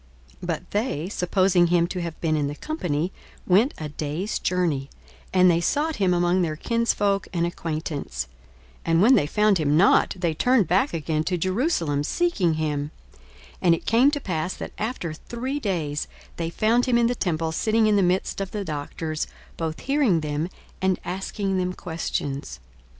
42:002:044 But they, supposing him to have been in the company, went a day's journey; and they sought him among their kinsfolk and acquaintance. 42:002:045 And when they found him not, they turned back again to Jerusalem, seeking him. 42:002:046 And it came to pass, that after three days they found him in the temple, sitting in the midst of the doctors, both hearing them, and asking them questions.